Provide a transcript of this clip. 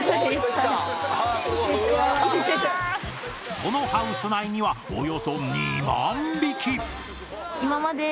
このハウス内にはおよそ２万匹！